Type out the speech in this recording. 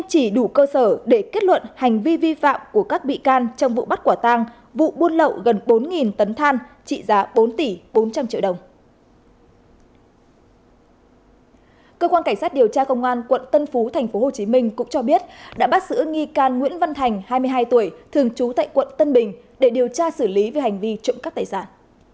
cảnh sát điều tra công an quận tân phú tp hcm cũng cho biết đã bắt giữ nghi can nguyễn văn thành hai mươi hai tuổi thường trú tại quận tân bình để điều tra xử lý về hành vi trụng cấp tài sản